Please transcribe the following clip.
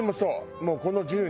もうこの１０年。